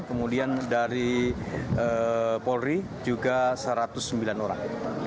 kemudian dari polri juga satu ratus sembilan orang